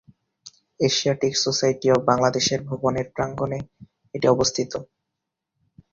Asiatic Society of বাংলাদেশের ভবনের প্রাঙ্গনে এটি অবস্থিত।